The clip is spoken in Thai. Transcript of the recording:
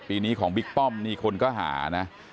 ปีนี้ของบิ๊กป้อมนี่คนก็หานะ